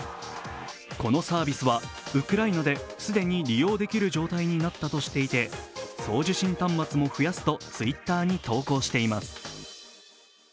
このサービスはウクライナで既に利用できる状態になったとしていて送受信端末も増やすとＴｗｉｔｔｅｒに投稿しています。